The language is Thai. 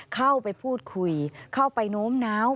เข้าไปพูดคุยเข้าไปโน้มน้าว